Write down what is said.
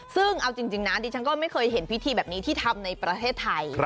ซึ่งเอาจริงนะดิฉันก็ไม่เคยเห็นพิธีแบบนี้ที่ทำในประเทศไทย